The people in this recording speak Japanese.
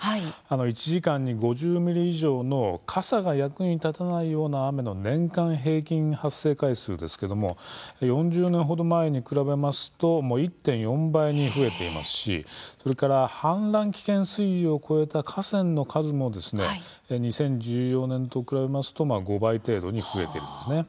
１時間に５０ミリ以上の傘が役に立たないような雨の年間平均発生回数ですけれども４０年ほど前に比べますと１．４倍に増えていますしそれから氾濫危険水位を超えた河川の数も２０１４年と比べますと５倍程度に増えているんですね。